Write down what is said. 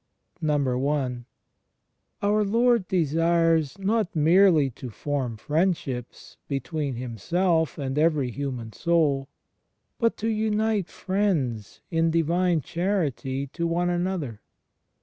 I. Our Lord desires not merely to form Friendships between Himself and every human soul, but to unite friends in divine charity to one another.